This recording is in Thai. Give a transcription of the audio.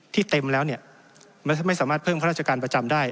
เต็มแล้วเนี่ยไม่สามารถเพิ่มข้าราชการประจำได้